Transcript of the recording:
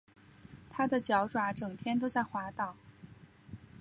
他的脚爪整天都在滑倒